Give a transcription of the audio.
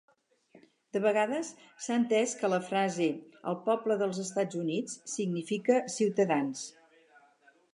De vegades, s'ha entès que la frase "el poble dels Estats Units" significa "ciutadans".